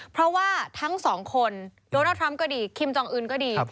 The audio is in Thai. เพราะว่าทั้งสองคนโดนัลดทรัมป์ก็ดีคิมจองอื่นก็ดี